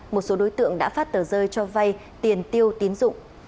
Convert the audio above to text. một số đối tượng đã phát tờ rơi cho vay tiền tiêu tín dụng